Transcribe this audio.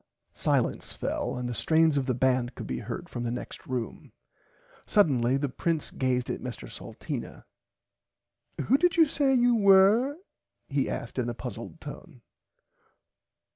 Silence fell and the strains of the band could be heard from the next room. Suddenly the prince gazed at Mr Salteena. Who did you say you were he asked in a puzzled tone.